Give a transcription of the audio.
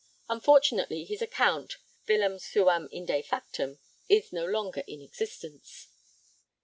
Unfortunately his account, 'billam suam inde factam,' is no longer in existence.